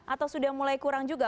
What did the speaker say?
atau sudah mulai kurang juga